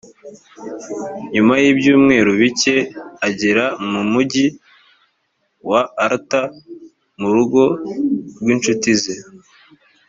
nyuma y’ibyumweru bike agera mu mugi wa alta mu rugo rw’ incuti ze